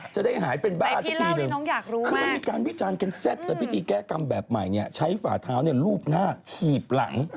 จะได้หายเป็นบ้าสักทีนึงคือมันมีการวิจารณ์กันแซ่บในพิธีแก้กรรมแบบใหม่เนี่ยใช้ฝ่าเท้าลูบหน้าถีบหลัง